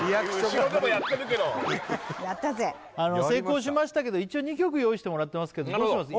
後ろでもやってるけどやったぜ成功しましたけど一応２曲用意してもらってますけどどうします？